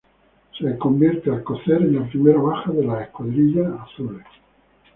Se convierte Alcocer en la primera baja de las Escuadrillas Azules.